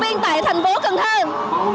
việt nam việt nam việt nam việt nam việt nam